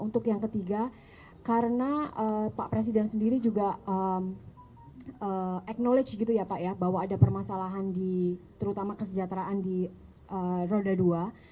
untuk yang ketiga karena pak presiden sendiri juga acknowledge gitu ya pak ya bahwa ada permasalahan di terutama kesejahteraan di roda dua